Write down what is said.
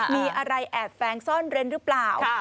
มีอะไรแอบแฟ้งซ่อนเร้นหรือเปล่า